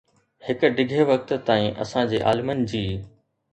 هڪ ڊگهي وقت تائين، اسان جي عالمن جي